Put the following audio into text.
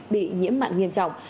bị nhiễm mạn nghiêm trọng